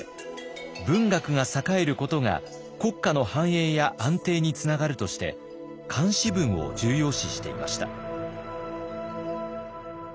文学が栄えることが国家の繁栄や安定につながるとして漢詩文を重要視していました。